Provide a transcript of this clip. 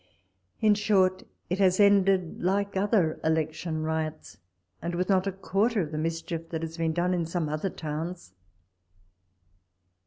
In short, it has ended like other election riots, and with not a quarter of the mischief that has been done in some other towns.